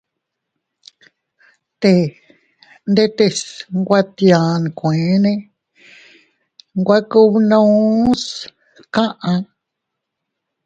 Te ndetes nwe tia nkueene nwe kubnus kaʼa.